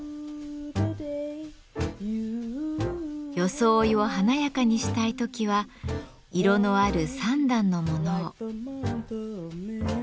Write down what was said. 装いを華やかにしたい時は色のある三段のものを。